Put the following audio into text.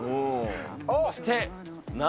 そして。